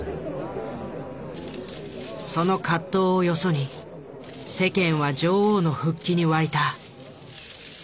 その葛藤をよそに世間は女王の復帰に沸いた。